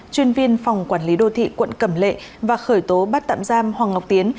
chuyên viên phòng quản lý đô thị quận cẩm lệ và khởi tố bắt tạm giam hoàng ngọc tiến